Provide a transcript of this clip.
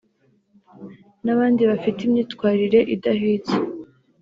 n’abandi bafite imyitwarire idahwitse